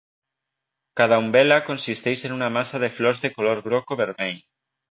Cada umbel·la consisteix en una massa de flors de color groc o vermell.